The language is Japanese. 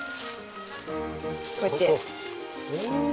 こうやって。